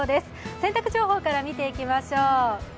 洗濯情報から見ていきましょう。